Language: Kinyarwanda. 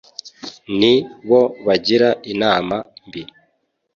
ni bo bagira inama mbi